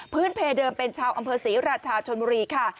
เพเดิมเป็นชาวอำเภอศรีราชาชนบุรีค่ะ